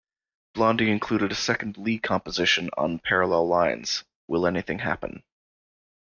Blondie included a second Lee composition on "Parallel Lines", "Will Anything Happen?